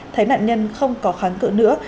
thấy nạn nhân không có kháng cự nữa